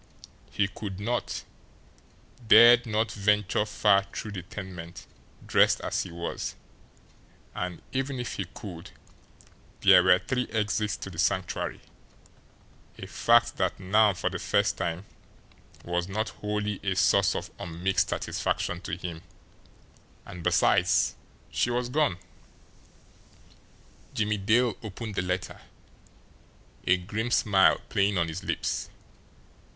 He could not, dared not venture far through the tenement dressed as he was; and even if he could there were three exits to the Sanctuary, a fact that now for the first time was not wholly a source of unmixed satisfaction to him; and besides she was gone! Jimmie Dale opened the letter, a grim smile playing on his lips.